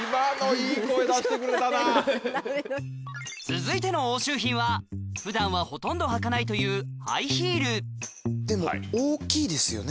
続いての押収品は普段はほとんど履かないというでも大きいですよね